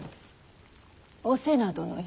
お瀬名殿や。